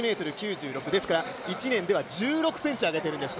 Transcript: １ｍ９６、ですから１年では１６ｃｍ上げているんです。